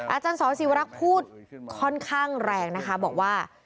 อาจารย์สศิวรักษ์พูดค่อนข้างแรงนะคะบอกว่า